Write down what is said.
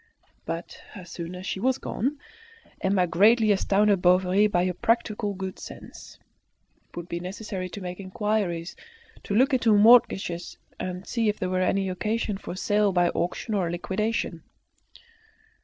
But as soon as she was gone, Emma greatly astounded Bovary by her practical good sense. It would be necessary to make inquiries, to look into mortgages, and see if there were any occasion for a sale by auction or a liquidation.